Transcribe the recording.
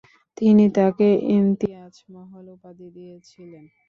তিনি তাকে ইমতিয়াজ মহল উপাধি দিয়েছিলেন।